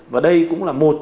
và đây cũng là một